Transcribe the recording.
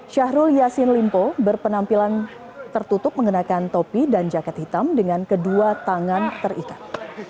syahrul yassin limpo berpenampilan tertutup mengenakan topi dan jaket hitam dengan kedua tangan terikat